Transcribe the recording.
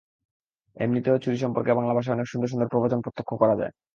এমনিতেও চুরি সম্পর্কে বাংলা ভাষায় অনেক সুন্দর সুন্দর প্রবচন প্রত্যক্ষ করা যায়।